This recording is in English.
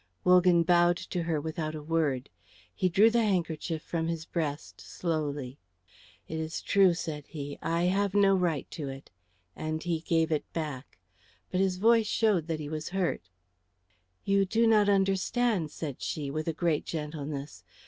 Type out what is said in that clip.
Wogan bowed to her without a word. He drew the handkerchief from his breast slowly. "It is true," said he; "I have no right to it;" and he gave it back. But his voice showed that he was hurt. "You do not understand," said she, with a great gentleness.